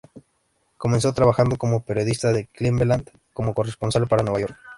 Comenzó trabajando como periodista en Cleveland como corresponsal para Nueva York.